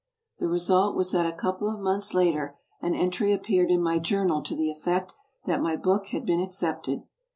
The result was that a couple of months later an entry appeared in my journal to the eflfea that my book had been accepted.